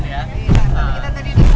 iya tapi kita tadi nih